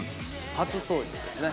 初登場ですね